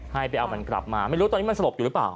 ให้ไปเอามันกลับมาไม่รู้ตอนนี้มันสลบอยู่หรือเปล่า